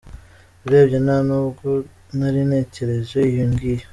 Urebye nta n’ubwo nari natekereje iyo ngiyo.